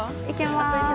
いけます。